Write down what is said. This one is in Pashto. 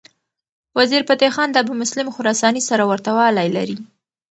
وزیرفتح خان د ابومسلم خراساني سره ورته والی لري.